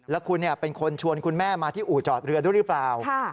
แล้วคุณเป็นคนชวนคุณแม่มาที่อู่จอดเรือด้วยหรือเปล่า